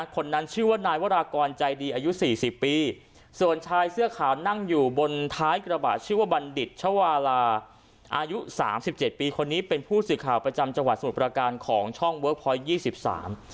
คนนั้นชื่อว่านายวรากรใจดีอายุสี่สิบปีส่วนชายเสื้อขาวนั่งอยู่บนท้ายกระบะชื่อว่าบัณฑิตชวาลาอายุสามสิบเจ็ดปีคนนี้เป็นผู้สื่อข่าวประจำจังหวัดสมุทรประการของช่องเวิร์คพอยต์ยี่สิบสาม